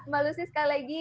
mbak lucy sekali lagi